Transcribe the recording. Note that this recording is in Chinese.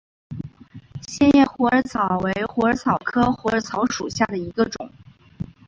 线叶虎耳草为虎耳草科虎耳草属下的一个种。